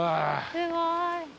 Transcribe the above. すごい。